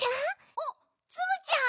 おっツムちゃん。